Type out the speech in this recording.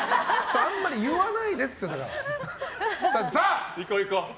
あんまり言わないでって言ってんだから。